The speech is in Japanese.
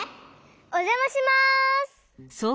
おじゃまします。